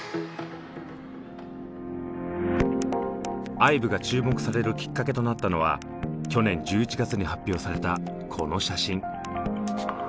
ＩＶＥが注目されるきっかけとなったのは去年１１月に発表されたこの写真。